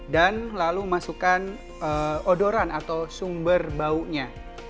dan lalu masukkan odoran atau sumber baunya